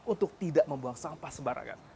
untuk tidak membuang sampah sembarangan